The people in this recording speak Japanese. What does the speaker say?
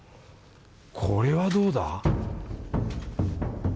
これはどうだ？